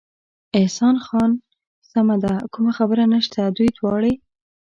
احسان خان: سمه ده، کومه خبره نشته، دوی دواړې.